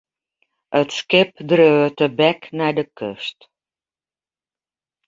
It skip dreau tebek nei de kust.